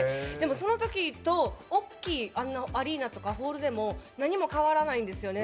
そのときと大きいアリーナとかホールでも何も変わらないんですよね。